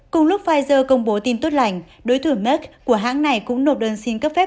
cùng lúc pfizer công bố tin tốt lành đối thủ made của hãng này cũng nộp đơn xin cấp phép